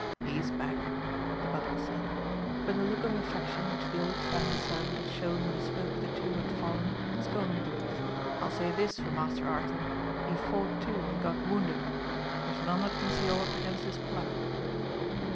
"He's back," the butler said. But the look of affection which the old family servant had shown when he spoke of the two who had fallen was gone. "I'll say this for Master Arthur, he fought too and got wounded. There's none that can say aught against his pluck."